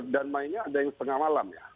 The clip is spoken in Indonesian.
dan mainnya ada yang setengah malam